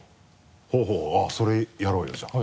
ほぉほぉそれやろうよじゃあ。